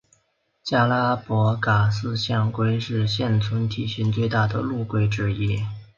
加拉帕戈斯象龟是现存体型最大的陆龟之一。